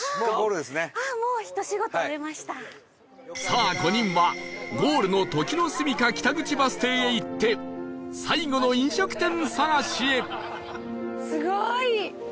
さあ５人はゴールの時之栖北口バス停へ行って最後の飲食店探しへ